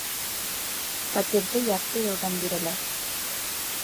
Фатирҙы ярты йылдан бирәләр.